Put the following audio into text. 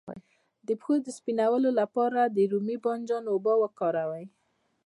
د پښو د سپینولو لپاره د رومي بانجان اوبه وکاروئ